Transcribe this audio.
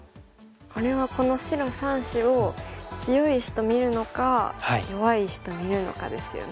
これはこの白３子を強い石と見るのか弱い石と見るのかですよね。